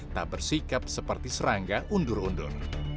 tak bersikap seperti serangga undur undur